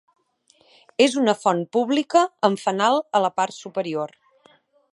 És una font pública amb fanal a la part superior.